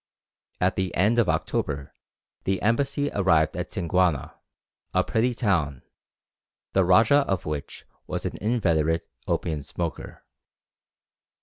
At the end of October the embassy arrived at Singuana, a pretty town, the rajah of which was an inveterate opium smoker.